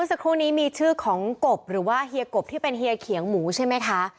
สักครู่นี้มีชื่อของกบหรือว่าเฮียกบที่เป็นเฮียเขียงหมูใช่ไหมคะ